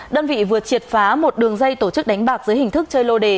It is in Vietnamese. đơn vị vừa triệt phá một đường dây tổ chức đánh bạc dưới hình thức chơi lô đề